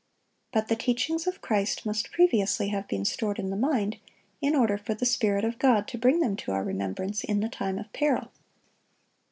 (1036) But the teachings of Christ must previously have been stored in the mind, in order for the Spirit of God to bring them to our remembrance in the time of peril.